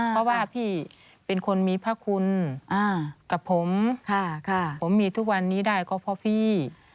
เพราะว่าพี่เป็นคนมีพระคุณกับผมผมมีทุกวันนี้ได้ก็เพราะพี่